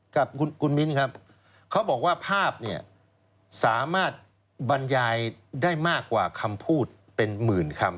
กับคุณมิ้นครับเขาบอกว่าภาพเนี่ยสามารถบรรยายได้มากกว่าคำพูดเป็นหมื่นคำ